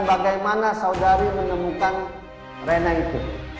bagaimana saudari menemukan rena itu